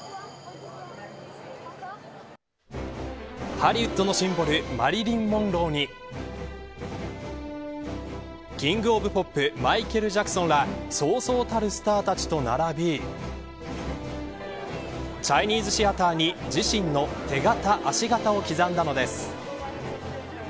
ハリウッドのシンボルマリリン・モンローにキング・オブ・ポップマイケル・ジャクソンらそうそうたるスターたちと並びチャイニーズ・シアターに自身の手形、足形を刻んだのです。